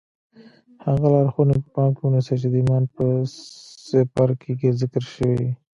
هغه لارښوونې په پام کې ونيسئ چې د ايمان په څپرکي کې ذکر شوې.